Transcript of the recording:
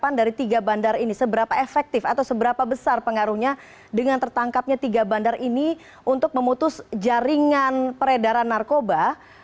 kalau sudah sampai di tangki tiga bandar ini seberapa efektif atau seberapa besar pengaruhnya dengan tertangkapnya tiga bandar ini untuk memutus jaringan peredaran narkoba